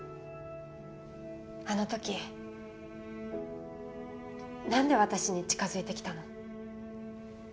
あの時なんで私に近づいてきたの？